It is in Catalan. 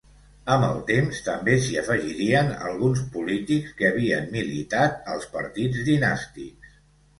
Amb el temps també s'hi afegirien alguns polítics que havien militat als partits dinàstics.